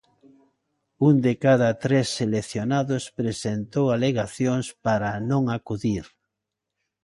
Un de cada tres seleccionados presentou alegacións para non acudir.